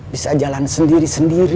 bisa jalan sendiri sendiri